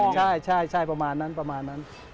ใช่ใช่ใช่ประมาณนั้นประมาณนั้น